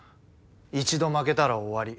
一度負けたら終わり。